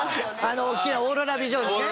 大きなオーロラビジョンでね。